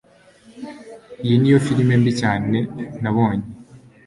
iyi niyo firime mbi cyane nabonye